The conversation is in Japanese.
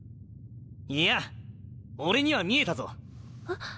いや俺には見えたぞ。